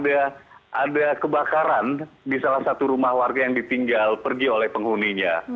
ada kebakaran di salah satu rumah warga yang ditinggal pergi oleh penghuninya